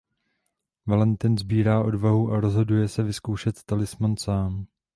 Valentin sbírá odvahu a rozhoduje se vyzkoušet „talisman“ sám.